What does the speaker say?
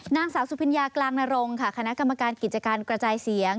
นางสาวสุพิญญากลางนรงค่ะคณะกรรมการกิจการกระจายเสียง